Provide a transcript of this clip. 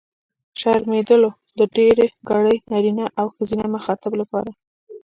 شرمېدلو! د ډېرګړي نرينه او ښځينه مخاطب لپاره.